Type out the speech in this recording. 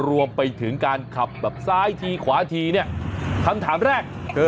รวมไปถึงการขับแบบซ้ายทีขวาทีเนี่ยคำถามแรกคือ